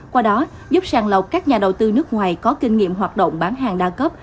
qua đó giúp sàng lọc các nhà đầu tư nước ngoài có kinh nghiệm hoạt động bán hàng đa cấp